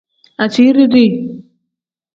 Asiiri dii.